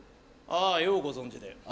あぁようご存じで。